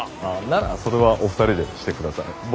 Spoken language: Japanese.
あならそれはお二人でしてください。